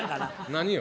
何よ？